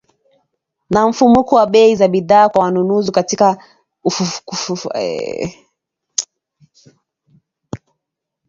na mfumuko wa bei za bidhaa kwa wanunuzi katika kufufua uchumi wa taifa